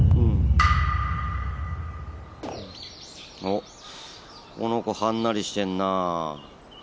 おっこの子はんなりしてんなあ。